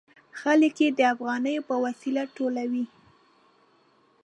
خلک یې د افغانیو په وسیله ټولوي.